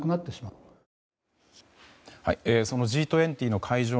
そのＧ２０の会場